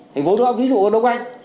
thành phố đông anh ví dụ đông anh